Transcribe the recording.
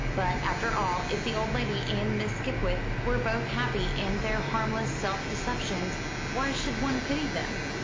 But, after all, if the old lady and Miss Skipwith were both happy in their harmless self deceptions, why should one pity them?